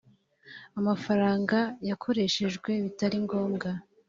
amafaranga yakoreshejwe bitari ngombwa